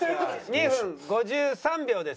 ２分５３秒です。